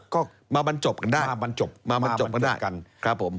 ก็มาบรรจบกันได้มาบรรจบกันได้ครับผม